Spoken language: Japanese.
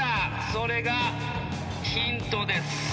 それがヒントです。